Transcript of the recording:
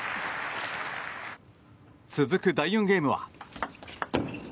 続く第４ゲームは。